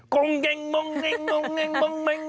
กองเย็งมองเย็งมองเย็งมองเย็งมองเย็ง